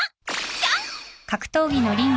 ジャン。